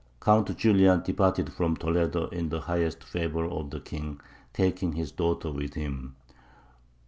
Count Julian departed from Toledo in the highest favour of the king, taking his daughter with him.